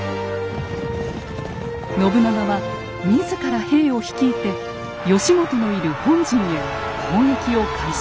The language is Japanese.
信長は自ら兵を率いて義元のいる本陣へ攻撃を開始。